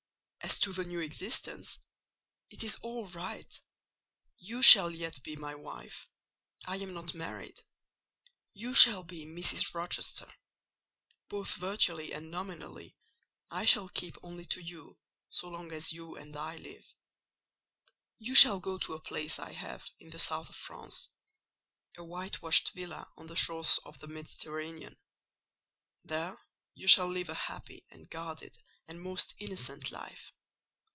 As to the new existence, it is all right: you shall yet be my wife: I am not married. You shall be Mrs. Rochester—both virtually and nominally. I shall keep only to you so long as you and I live. You shall go to a place I have in the south of France: a whitewashed villa on the shores of the Mediterranean. There you shall live a happy, and guarded, and most innocent life.